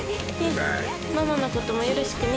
ママのこともよろしくね。